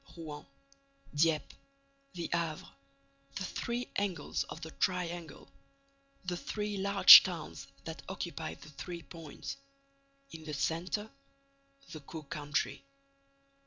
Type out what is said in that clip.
Rouen, Dieppe, the Havre: the three angles of the triangle, the three large towns that occupy the three points. In the centre, the Caux country.